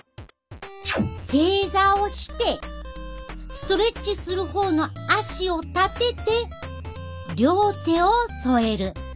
正座をしてストレッチする方の足を立てて両手を添える。